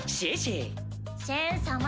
シェン様！